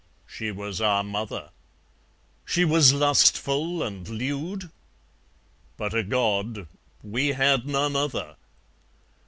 She was our Mother. She was lustful and lewd? but a God; we had none other.